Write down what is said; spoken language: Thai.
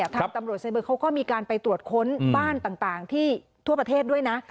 ทางตำรวจไซเบอร์เขาก็มีการไปตรวจค้นบ้านต่างที่ทั่วประเทศด้วยนะ